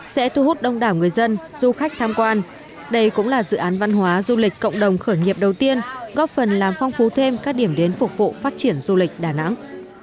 sẽ thu hút đông đảo người dân du khách tham quan đây cũng là dự án văn hóa du lịch cộng đồng khởi nghiệp đầu tiên góp phần làm phong phú thêm các điểm đến phục vụ phát triển du lịch đà nẵng